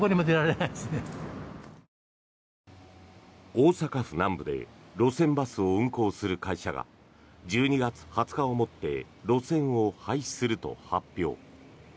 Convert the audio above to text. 大阪府南部で路線バスを運行する会社が１２月２０日をもって路線を廃止すると発表。